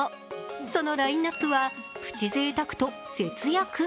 そのラインナップは、プチぜいたくと節約。